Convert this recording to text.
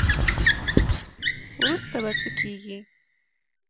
وروسته به څه کیږي.